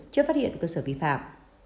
trước phát hiện cơ sở vi phạm